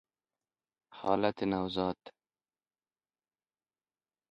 حالت نوزاد